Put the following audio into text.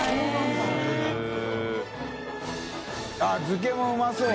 漬けもうまそう。